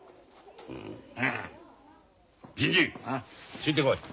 ついてこい。